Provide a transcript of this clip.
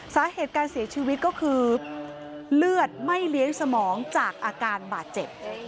สาเหตุการเสียชีวิตก็คือเลือดไม่เลี้ยงสมองจากอาการบาดเจ็บ